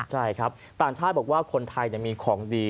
ใช่ครับต่างชาติบอกว่าคนไทยมีของดี